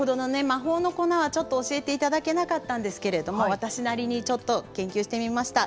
魔法の粉はちょっと教えていただけなかったんですけれども私なりにちょっと研究してみました。